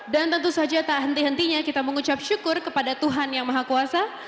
tentu saja tak henti hentinya kita mengucap syukur kepada tuhan yang maha kuasa